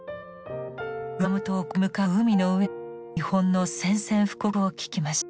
グアム島攻略に向かう海の上で日本の宣戦布告を聞きました。